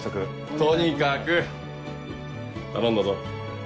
とにかく頼んだぞ。